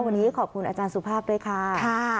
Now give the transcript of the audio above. วันนี้ขอบคุณอาจารย์สุภาพด้วยค่ะ